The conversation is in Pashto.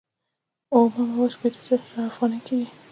اومه مواد شپیته زره افغانۍ کېږي